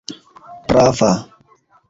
prava